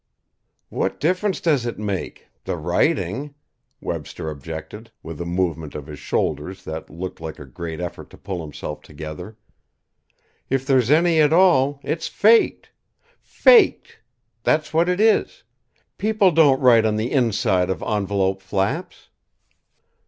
"What difference does it make the writing?" Webster objected, with a movement of his shoulders that looked like a great effort to pull himself together. "If there's any at all, it's faked. Faked! That's what it is. People don't write on the inside of envelope flaps."